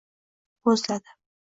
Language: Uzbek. bo’zladi…